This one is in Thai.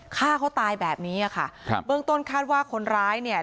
ฆ่าเขาตายแบบนี้อ่ะค่ะครับเบื้องต้นคาดว่าคนร้ายเนี่ย